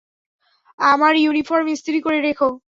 আমার ইউনিফর্ম ইস্ত্রি করে রেখো।